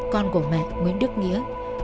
con của mẹ nguyễn đức nghĩa